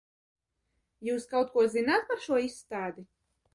Jūs kaut ko zināt par šo izstādi?